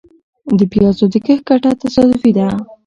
د پيازو د کښت ګټه تصادفي ده .